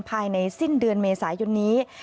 ภายในสิ้นเดือนเมษายนนี้